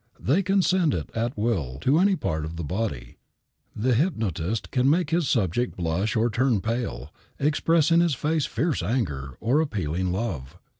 They can send it at will to any part of the body. The hypnotist can make his subject blush or turn pale, express in his face fierce anger or appealing love.